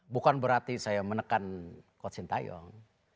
bukan berarti saya menekan coach sintayong